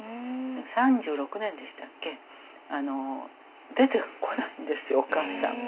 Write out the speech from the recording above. ３６年でしたっけ出てこないんですよお母さん。